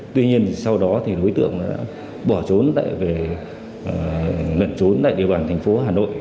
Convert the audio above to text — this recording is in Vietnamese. tuy nhiên sau đó đối tượng đã bỏ trốn lẩn trốn tại địa bàn thành phố hà nội